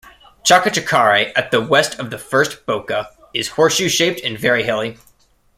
Chacachacare, at the west of the first Boca, is horseshoe shaped and very hilly.